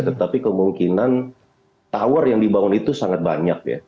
tetapi kemungkinan tower yang dibangun itu sangat banyak ya